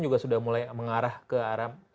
juga sudah mulai mengarah ke arah